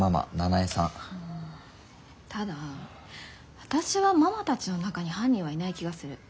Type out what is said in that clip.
ただ私はママたちの中に犯人はいない気がする。